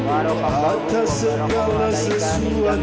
allah ta'ala yang menjaga kita